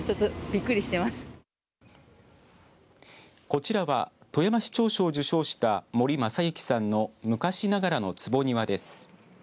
こちらは富山市長賞を受賞した森政幸さんの昔ながらの坪庭です。